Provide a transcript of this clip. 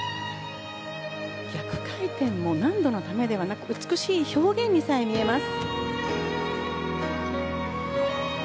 逆回転も難度のためではなく美しい表現にさえ見えます。